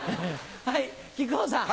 はい木久扇さん。